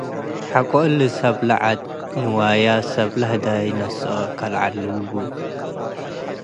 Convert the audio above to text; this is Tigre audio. ሐቆ እሊ ሰብ ለዐድ ንዋያት ሰብ ለህዳይ ነስኦ ከዐሉቡ ።